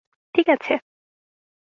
ঠিক আছে'।